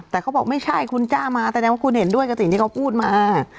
แต่เขาบอกไม่ใช่คุณจ้ามาแสดงว่าคุณเห็นด้วยกับสิ่งที่เขาพูดมา